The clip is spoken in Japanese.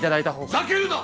ふざけるな！